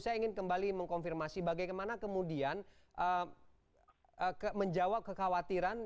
saya ingin kembali mengkonfirmasi bagaimana kemudian menjawab kekhawatiran